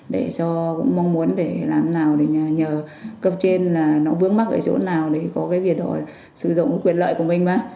để cho cũng mong muốn để làm nào để nhờ cấp trên là nó vướng mắc ở chỗ nào để có cái việc sử dụng quyền lợi của mình mà